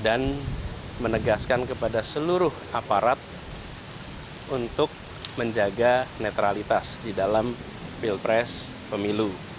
dan menegaskan kepada seluruh aparat untuk menjaga netralitas di dalam pilpres pemilu